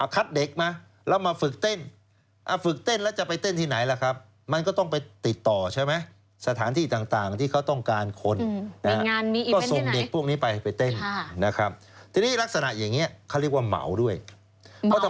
ถ้าผมส่งไปเนี่ยผมต้องมีส่วนได้ด้วยไหม